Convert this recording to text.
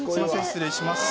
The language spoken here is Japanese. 失礼します。